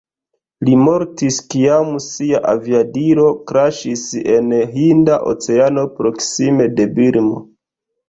Li mortis kiam sia aviadilo kraŝis en Hinda Oceano proksime de Birmo.